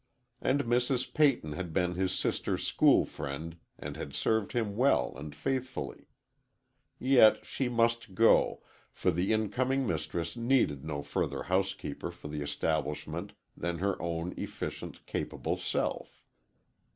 And Mrs. Peyton had been his sister's school friend and had served him well and faithfully. Yet she must go, for the incoming mistress needed no other housekeeper for the establishment than her own efficient, capable self.